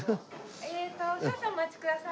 えーと少々お待ちください。